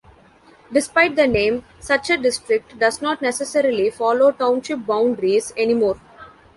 Despite the name, such a district does not necessarily follow township boundaries anymore.